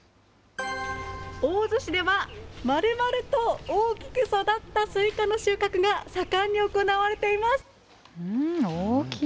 大洲市では、まるまると大きく育ったスイカの収穫が盛んに行大きい。